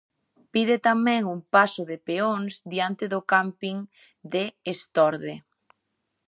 Pide tamén un paso de peóns diante do cámping de Estorde.